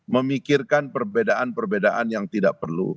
memikirkan perbedaan perbedaan yang tidak perlu